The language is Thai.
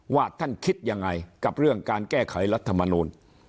ว่าท่านคิดยังไงกับเรื่องการแก้ไขรัฐมนูล